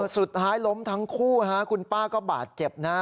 สุดท้ายล้มทั้งคู่คุณป้าก็บาดเจ็บนะ